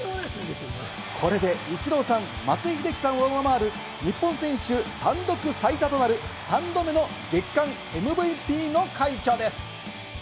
これでイチローさん、松井秀喜さんを上回る日本選手単独最多となる３度目の月間ＭＶＰの快挙です。